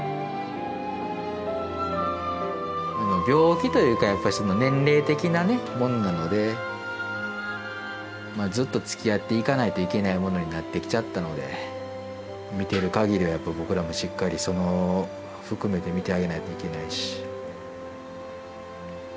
病気というかやっぱり年齢的なものなのでずっとつきあっていかないといけないものになってきちゃったので見ているかぎりは僕らもしっかりその含めて見てあげないといけないし。